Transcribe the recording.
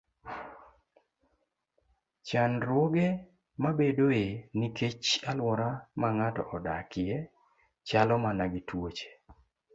Chandruoge mabedoe nikech alwora ma ng'ato odakie chalo mana gi tuoche.